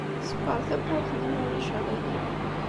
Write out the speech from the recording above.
Skeṛ tawwurt-nni, ma ulac aɣilif.